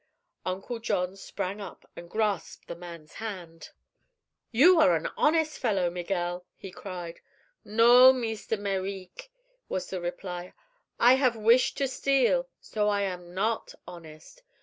Uncle John sprang up and grasped the man's hand. "You are an honest fellow, Miguel!" he cried. "No, Meest Mereek," was the reply. "I have wish to steal, so I am not honest."